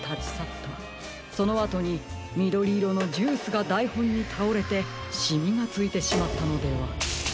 そのあとにみどりいろのジュースがだいほんにたおれてしみがついてしまったのでは。